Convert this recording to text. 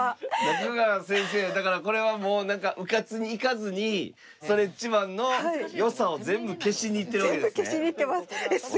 中川先生はだからこれはもう何かうかつに行かずにストレッチマンのよさを全部消しに行ってる訳ですね。